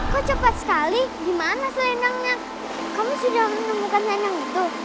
kau cepat sekali dimana selendangnya kamu sudah menemukan selendang itu